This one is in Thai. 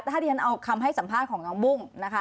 ถ้าที่ฉันเอาคำให้สัมภาษณ์ของน้องบุ้งนะคะ